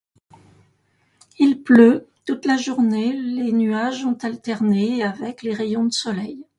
Il pleut. Toute la journée les nuages ont alterné et avec les rayons de soleil.